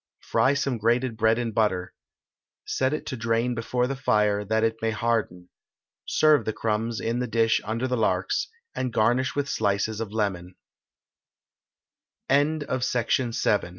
Fry some grated bread in butter. Set it to drain before the fire, that it may harden; serve the crumbs in the dish under the larks, and garnish with slices of